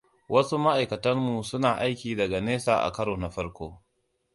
Wasu ma’aikatanmu suna aiki daga nesa akaro na farko.